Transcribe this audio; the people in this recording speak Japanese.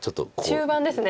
中盤ですね。